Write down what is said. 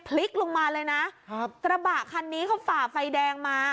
พลิกลงมาเลยนะครับกระบะคันนี้เขาฝ่าไฟแดงมา